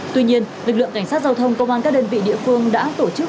tuy nhiên lực lượng cảnh sát giao thông công an các đơn vị địa phương đã tổ chức